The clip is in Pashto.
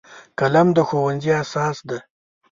قلم د ښوونځي اساس دی